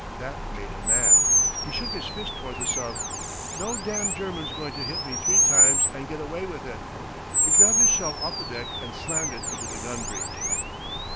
That made him mad. He shook his fist toward the sub. "No damn' German's going to hit me three times and get away with it." He grabbed his shell off the deck and slammed it into the gun breech.